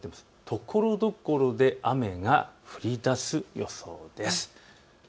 ところどころで雨が降りだす予想です。